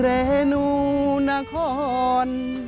เรนูนาคอน